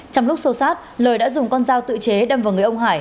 trong lúc xô sát lời đã dùng con dao tự chế đâm vào người ông hải